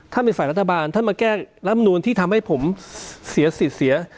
เป็นฝ่ายรัฐบาลท่านมาแก้รับนูนที่ทำให้ผมเสียสิทธิ์เสีย